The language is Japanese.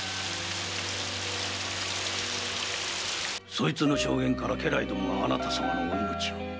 そいつの証言から家来どもがあなたさまのお命を。